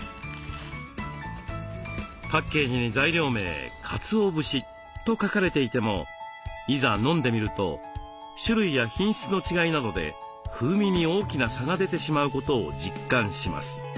パッケージに材料名「かつお節」と書かれていてもいざ飲んでみると種類や品質の違いなどで風味に大きな差が出てしまうことを実感します。